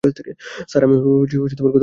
Sir, আমি কোথাও যেতে পারব না।